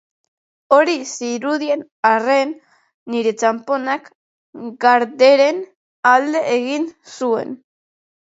Hori zirudien arren, nire txanponak Garderen alde egin zuen.